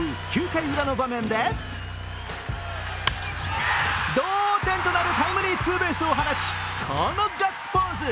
９回裏の場面で同点となるタイムリーツーベースを放つ、このガッツポーズ。